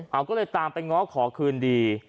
เอาก็เลยตามไปง้อขอคืนดี